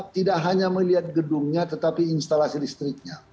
tidak hanya melihat gedungnya tetapi instalasi listriknya